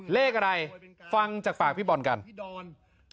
เลขอะไรฟังจากฝากพี่บ่นกัน